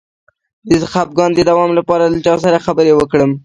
د خپګان د دوام لپاره له چا سره خبرې وکړم؟